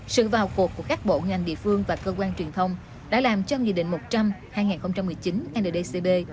sự vào cuộc của các bộ ngành địa phương và cơ quan truyền thông đã làm cho nghị định một trăm linh hai nghìn một mươi chín ndcb